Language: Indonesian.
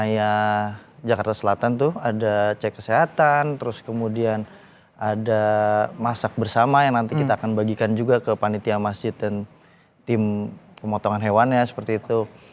ya jakarta selatan tuh ada cek kesehatan terus kemudian ada masak bersama yang nanti kita akan bagikan juga ke panitia masjid dan tim pemotongan hewannya seperti itu